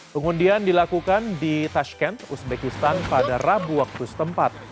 pengundian dilakukan di tashkent uzbekistan pada rabu waktu setempat